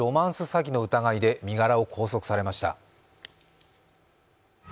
詐欺の疑いで身柄を拘束されました。